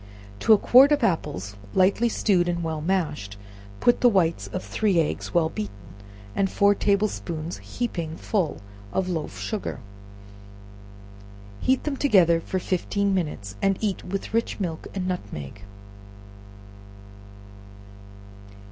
To a quart of apples, slightly stewed and well mashed, put the whites of three eggs, well beaten, and four table spoons heaping full of loaf sugar, heat them together for fifteen minutes, and eat with rich milk and nutmeg.